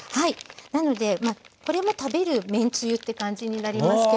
なのでこれも食べるめんつゆって感じになりますけれども。